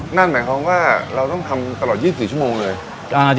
มือแหมของว่าเราต้องทำตลอด๒๔ชั่วโมงเลย